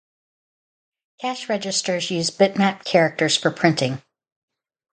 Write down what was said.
Cash registers use bitmap characters for printing.